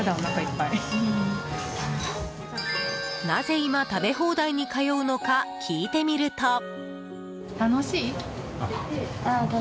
なぜ今、食べ放題に通うのか聞いてみると。